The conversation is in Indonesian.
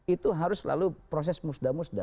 itu harus selalu proses musda musda